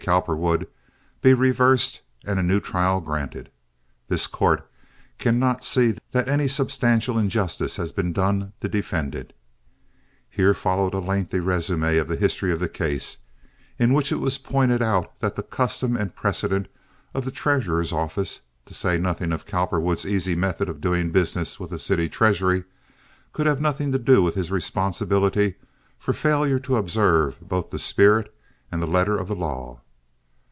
Cowperwood) be reversed and a new trial granted. This court cannot see that any substantial injustice has been done the defendant. [Here followed a rather lengthy resume of the history of the case, in which it was pointed out that the custom and precedent of the treasurer's office, to say nothing of Cowperwood's easy method of doing business with the city treasury, could have nothing to do with his responsibility for failure to observe both the spirit and the letter of the law.